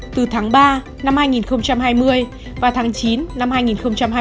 từ tháng ba năm hai nghìn hai mươi và tháng chín năm hai nghìn hai mươi